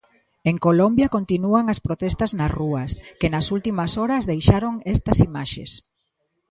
En Colombia continúan as protestas nas rúas, que nas últimas horas deixaron estas imaxes.